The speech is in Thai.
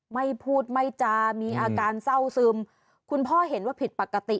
ไม่พูดไม่จามีอาการเศร้าซึมคุณพ่อเห็นว่าผิดปกติ